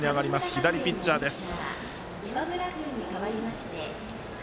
左ピッチャーです。